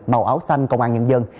màu áo xanh công an nhân dân